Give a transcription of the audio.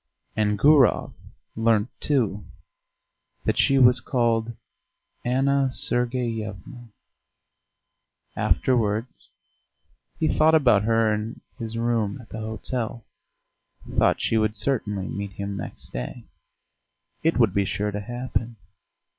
And Gurov learnt, too, that she was called Anna Sergeyevna. Afterwards he thought about her in his room at the hotel thought she would certainly meet him next day; it would be sure to happen.